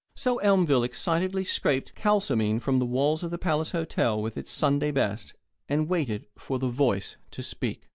So Elmville excitedly scraped kalsomine from the walls of the Palace Hotel with its Sunday best, and waited for the Voice to speak.